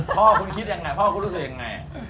พ่อคุณคิดยังไงพ่อคุณรู้สึกยังไง